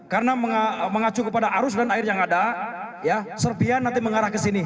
karena mengacu kepada arus dan air yang ada serpian nanti mengarah ke sini